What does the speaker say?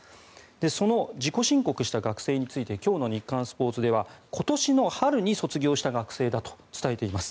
その自己申告した学生について今日の日刊スポーツでは今年の春に卒業した学生だと伝えています。